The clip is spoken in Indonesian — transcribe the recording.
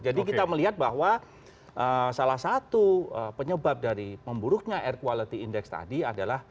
jadi kita melihat bahwa salah satu penyebab dari memburuknya air quality index tadi adalah